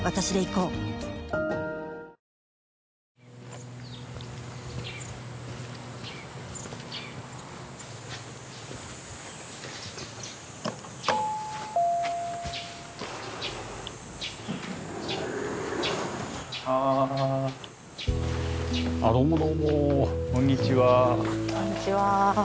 こんにちは。